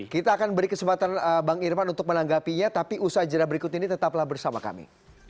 kita akan beri kesempatan bang irman untuk menanggapinya tapi usaha jalan berikut ini tetaplah bersama kami